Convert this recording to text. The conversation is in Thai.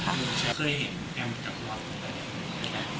เคยเห็นแอมป์จากครูออส